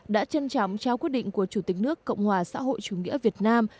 đã trân trọng trao quyết định của chủ tịch nước cộng hòa xã hội chủ nghĩa việt nam